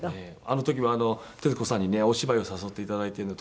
あの時は徹子さんにねお芝居を誘っていただいてね